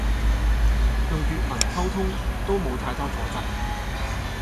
用粵文溝通都冇太多阻滯